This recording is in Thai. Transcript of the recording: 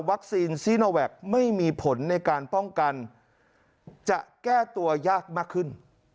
ซีโนแวคไม่มีผลในการป้องกันจะแก้ตัวยากมากขึ้น